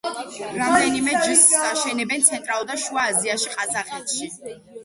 რამდენიმე ჯიშს აშენებენ ცენტრალურ და შუა აზიაში, ყაზახეთში.